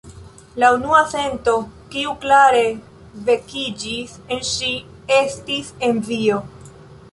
La unua sento, kiu klare vekiĝis en ŝi, estis envio.